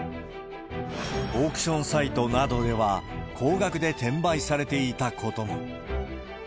オークションサイトなどでは、高額で転売されていたことも。